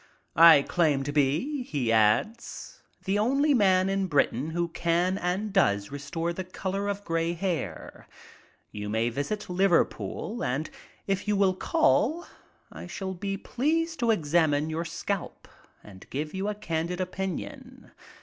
"I claim to be," he adds, "the only man in Britain who can and does restore the color of gray hair. You may visit Liverpool, and if you will call I shall be pleased to examine your scalp and give you a candid opinion.